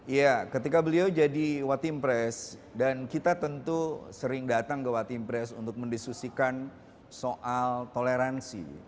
iya ketika beliau jadi watim pres dan kita tentu sering datang ke wati impres untuk mendiskusikan soal toleransi